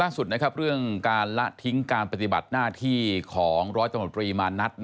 เรื่องการละทิ้งการปฏิบัติหน้าที่ของร้อยตำรวจรีมานัด